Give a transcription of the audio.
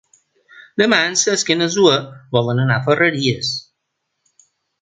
Demà en Cesc i na Zoè volen anar a Ferreries.